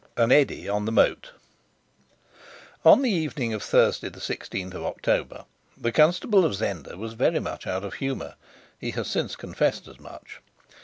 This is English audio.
AN EDDY ON THE MOAT On the evening of Thursday, the sixteenth of October, the Constable of Zenda was very much out of humor; he has since confessed as much.